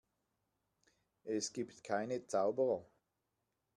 Es gibt keine Zauberer.